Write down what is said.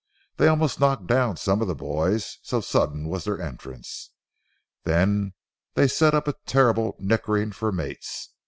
They almost knocked down some of the boys, so sudden was their entrance. Then they set up a terrible nickering for mates.